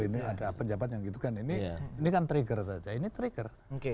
ini ada penjabat yang gitu kan ini kan trigger saja ini trigger